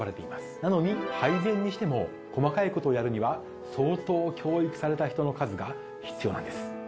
なのに配膳にしても細かいことをやるには相当教育された人の数が必要なんです。